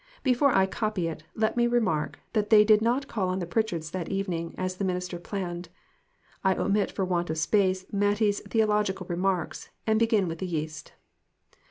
Before I copy it, let me remark that they did not call on the Pritchards that evening, as the minister planned. I omit, for want of space, Mattie's the ological remarks, and begin with the yeast.